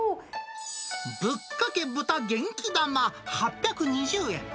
ぶっかけ豚元気玉８２０円。